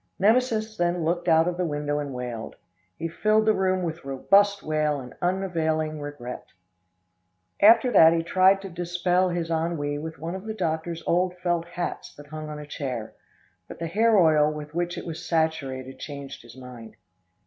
Nemesis then looked out of the window and wailed. He filled the room with robust wail and unavailing regret. After that he tried to dispel his ennui with one of the doctor's old felt hats that hung on a chair; but the hair oil with which it was saturated changed his mind.